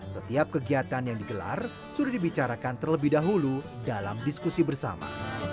setiap kegiatan yang digelar sudah dibicarakan terlebih dahulu dalam diskusi bersama